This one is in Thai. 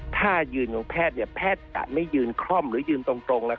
ถ้ายืนของแพทย์แพทย์จะไม่ยืนคล่อมหรือยืนตรง